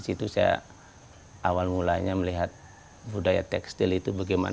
kita beli hommes dan juga menggunakan lingkaran